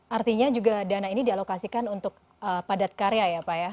artinya juga dana ini dialokasikan untuk padat karya ya pak ya